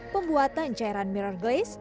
pembuatan cairan mirror glaze